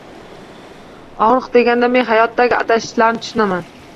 Og’riq deganda men hayotdagi adashishlarni tushunaman.